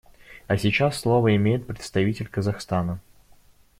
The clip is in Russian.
А сейчас слово имеет представитель Казахстана.